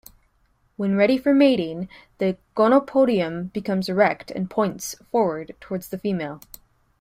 When ready for mating, the gonopodium becomes erect and points forward towards the female.